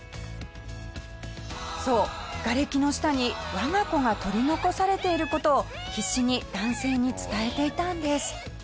そう、がれきの下に我が子が取り残されている事を必死に男性に伝えていたんです。